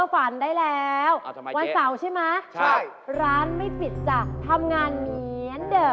พี่เก๋พี่เก๋พี่เก๋